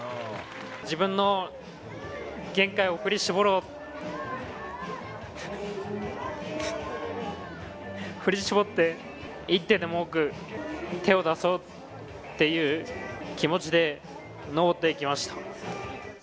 自分の限界を振り絞ろう、振り絞って、一手でも多く手を出そうっていう気持ちで登っていきました。